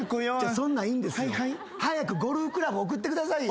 そんなんいいんですよ。早くゴルフクラブ送ってくださいよ。